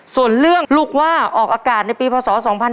ส่วนเรื่องลูกว่าออกอากาศในปีพศ๒๕๕๙